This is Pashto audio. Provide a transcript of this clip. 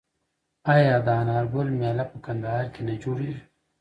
آیا د انار ګل میله په کندهار کې نه جوړیږي؟